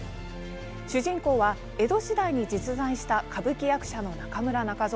主人公は江戸時代に実在した歌舞伎役者の中村仲蔵。